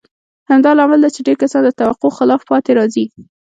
همدا لامل دی چې ډېر کسان د توقع خلاف پاتې راځي.